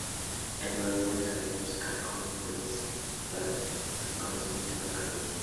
El problema es saber buscar cómo se puede actuar sin conocimiento o creencia.